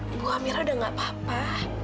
ibu hamilnya udah gak apa apa